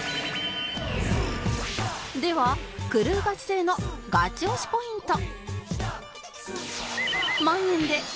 ではクルーガチ勢のガチ推しポイント